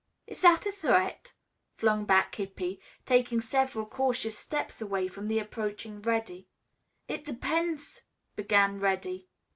"Is that a threat?" flung back Hippy, taking several cautious steps away from the approaching Reddy. "It depends " began Reddy.